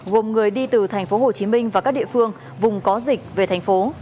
gồm người đi từ thành phố hồ chí minh và các địa phương vùng có dịch về thành phố